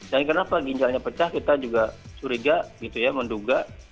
dan kenapa ginjalnya pecah kita juga suriga gitu ya menduga